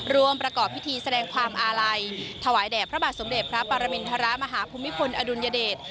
ประกอบพิธีแสดงความอาลัยถวายแด่พระบาทสมเด็จพระปรมินทรมาฮภูมิพลอดุลยเดช